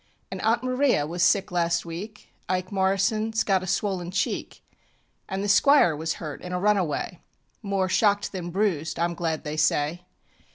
And Aunt Maria was sick last week; Ike MorrisonŌĆÖs got a swollen cheek, And the Squire was hurt in a runaway More shocked than bruised, IŌĆÖm glad they say.